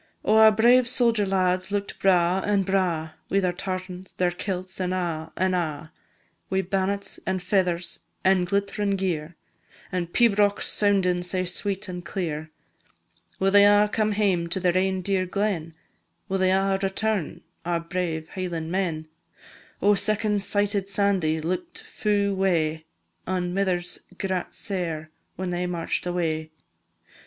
Oh, our brave sodger lads look'd braw, an' braw, Wi' their tartans, their kilts, an' a', an' a', Wi' bannets an' feathers, an' glittrin' gear, An' pibrochs soundin' sae sweet an' clear. Will they a' come hame to their ain dear glen? Will they a' return, our brave Hieland men? Oh, second sighted Sandie look'd fu' wae, An' mithers grat sair whan they march'd away.